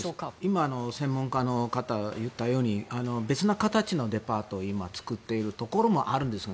今、専門家の方が言ったように別な形のデパートを今、作っているところもあるんですが